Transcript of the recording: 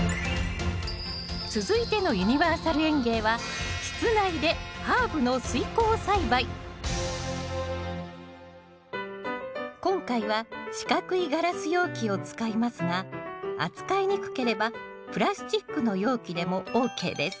続いてのユニバーサル園芸は今回は四角いガラス容器を使いますが扱いにくければプラスチックの容器でもＯＫです。